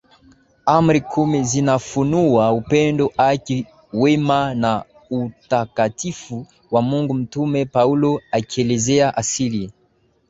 Amri kumi zinafunua Upendo haki wema na Utakatifu wa Mungu Mtume Paulo akielezea asili